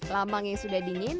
lamang yang sudah dingin